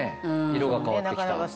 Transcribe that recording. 色が変わってきた。